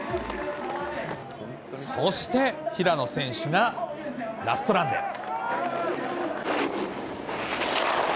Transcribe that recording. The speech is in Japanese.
そして、平野選手がラストランで。